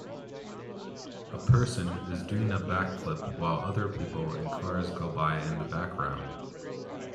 A person is doing a back flip while other people and cars go by in the background.